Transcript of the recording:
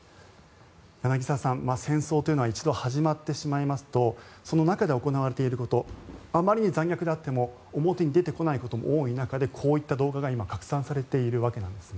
柳澤さん、戦争というのは一度始まってしまいますとその中で行われていることあまりに残虐であっても表に出てこないことも多い中でこのような動画が拡散されているわけです。